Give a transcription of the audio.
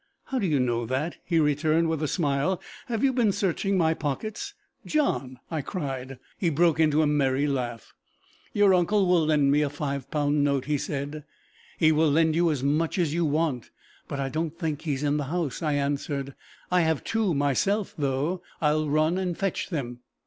"How do you know that?" he returned with a smile. "Have you been searching my pockets?" "John!" I cried. He broke into a merry laugh. "Your uncle will lend me a five pound note," he said. "He will lend you as much as you want; but I don't think he's in the house," I answered. "I have two myself, though! I'll run and fetch them."